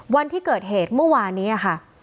วันที่เกิดเหตุเมื่อวานนี้ค่ะ